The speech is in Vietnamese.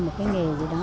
một cái nghề gì đó